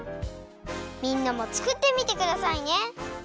みんなもつくってみてくださいね。